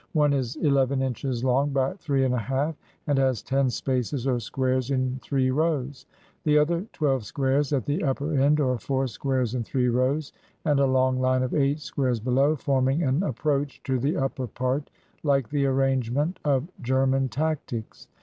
One is eleven inches long by three and a half, and has ten spaces or squares in three rows; the other twelve squares at the upper end (or four squares in three rows), and a long line of eight squares below, forming an approach to the upper part, like the arrangement of German tactics.